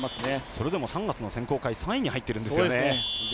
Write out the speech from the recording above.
それでも３月の選考会３位に入ってるんですよね。